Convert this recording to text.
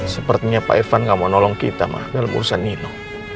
sepertinya pak irvan gak mau nolong kita mak dalam urusan nino